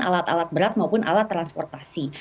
alat alat berat maupun alat transportasi